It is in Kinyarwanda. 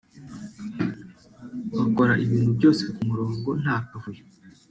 bakora ibintu byose ku murongo nta kavuyo